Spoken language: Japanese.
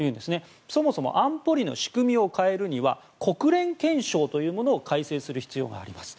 そもそも安保理の仕組みを変えるには国連憲章というものを改正する必要があります。